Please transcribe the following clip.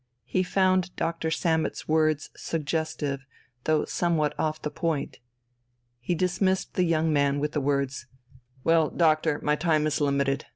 He found Dr. Sammet's words suggestive, though somewhat off the point. He dismissed the young man with the words: "Well, doctor, my time is limited.